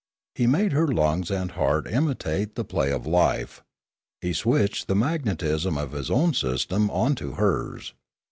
He made her lungs and heart imitate the play of life; he switched the magnetism of his own system on to hers.